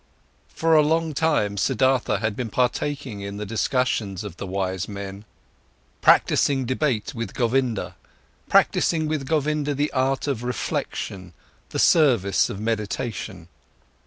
For a long time, Siddhartha had been partaking in the discussions of the wise men, practising debate with Govinda, practising with Govinda the art of reflection, the service of meditation.